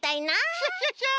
クシャシャシャ！